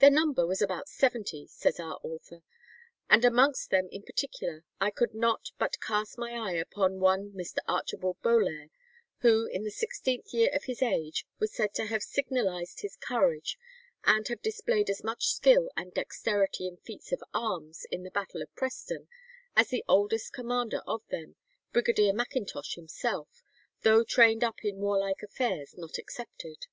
"Their number was about seventy," says our author. "And amongst them in particular I could not but cast my eye upon one Mr. Archibald Bolair, who in the sixteenth year of his age was said to have signalized his courage, and have displayed as much skill and dexterity in feats of arms in the battle of Preston as the oldest commander of them, Brigadier Macintosh himself, though trained up in warlike affairs, not excepted.